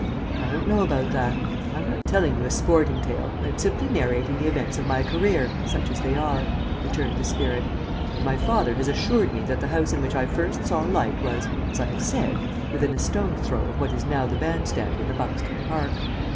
"I don't know about that. I am not telling you a sporting tale. I am simply narrating the events of my career, such as they are," returned the spirit, "and my father has assured me that the house in which I first saw light was, as I have said, within a stone's throw of what is now the band stand in the Buxton Park.